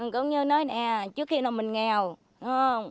cô nhớ nói nè trước khi nào mình nghèo